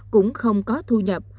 cũng không có thu nhập